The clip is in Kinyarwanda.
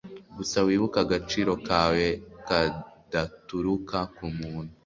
gusa wibuke agaciro kawe kadaturuka kumuntu